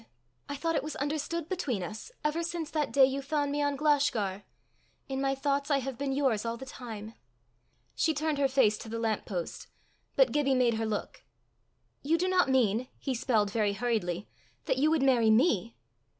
I thought it was understood between us, ever since that day you found me on Glashgar. In my thoughts I have been yours all the time." She turned her face to the lamp post. But Gibbie made her look. "You do not mean," he spelled very hurriedly, "that you would marry _me?